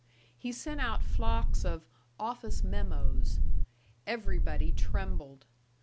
He sent out flocks of "office memoes." Everybody trembled.